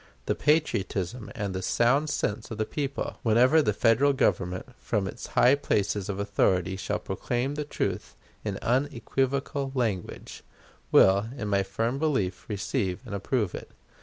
The patriotism and the sound sense of the people, whenever the Federal Government from its high places of authority shall proclaim the truth in unequivocal language, will, in my firm belief, receive and approve it.